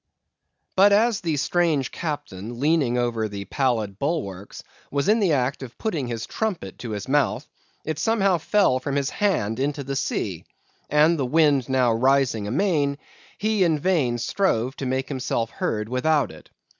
But as the strange captain, leaning over the pallid bulwarks, was in the act of putting his trumpet to his mouth, it somehow fell from his hand into the sea; and the wind now rising amain, he in vain strove to make himself heard without it.